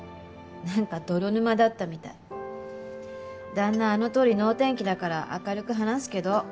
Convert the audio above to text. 旦那あのとおり能天気だから明るく話すけど。